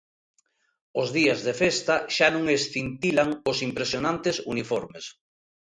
Os días de festa xa non escintilan os impresionantes uniformes.